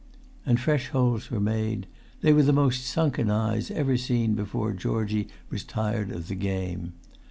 And fresh holes were made: they were the most sunken eyes ever seen before Georgie was tired of the game.